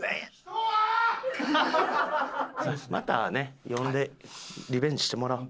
またね呼んでリベンジしてもらおう。